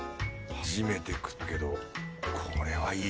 初めて食ったけどこれはいい。